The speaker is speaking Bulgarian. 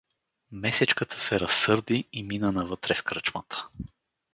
Месечката се разсърди и мина навътре в кръчмата.